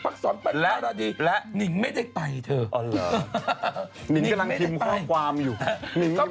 ผ่านสีปาร์ทตี้เขายังไม่มีนิ่ง